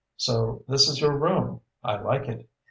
"So this is your room. I like it.